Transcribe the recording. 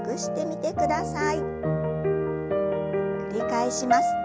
繰り返します。